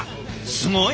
すごい。